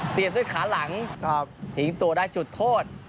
เสียบด้วยขาหลังทิ้งตัวได้จุดโทษ